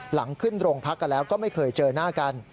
หลังขึ้นโรงพักกันแล้วก็ไม่เคยเจอหน้ากัน